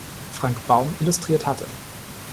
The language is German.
Frank Baum illustriert hatte.